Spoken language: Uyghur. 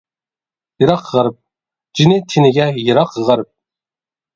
بىراق غەرب، جىنى تېنىگە يىراق غەرب.